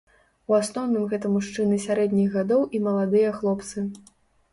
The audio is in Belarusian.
У асноўным гэта мужчыны сярэдніх гадоў і маладыя хлопцы.